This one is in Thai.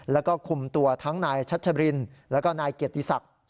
แล้วก็คุมตัวทั้งนายชัชรินแล้วก็นายเกียรติศักดิ์